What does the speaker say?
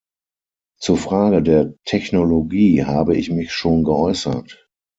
Zur Frage der Technologie habe ich mich schon geäußert.